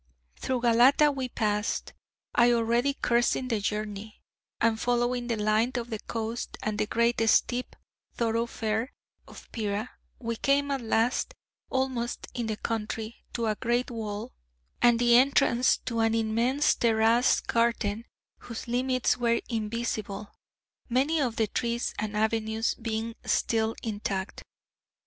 Through Galata we passed, I already cursing the journey: and, following the line of the coast and the great steep thoroughfare of Pera, we came at last, almost in the country, to a great wall, and the entrance to an immense terraced garden, whose limits were invisible, many of the trees and avenues being still intact.